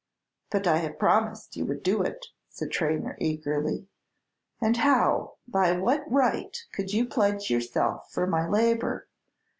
"But I have promised you would do it," said Traynor, eagerly. "And how by what right could you pledge yourself for my labor?